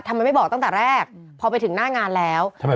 ทำไมไม่บอกตั้งแต่แรกพอไปถึงหน้างานแล้ว